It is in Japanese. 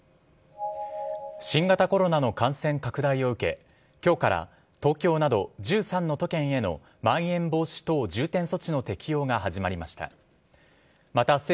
新型コロナの感染拡大を受け今日から東京など１３の都県へのまん延防止等重点措置の適用が始まりました。